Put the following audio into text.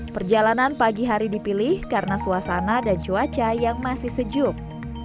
perjalanan pagi hari dipilih karena suasana dan cuaca yang masih sejuk